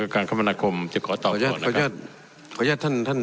การคมนาคมจะขอตอบขออนุญาตขออนุญาตท่านท่าน